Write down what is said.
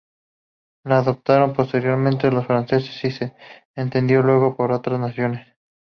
Lo adoptaron posteriormente los franceses y se extendió luego por otras naciones.